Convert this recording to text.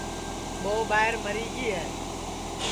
ٻو ٻائیر مری گی ہے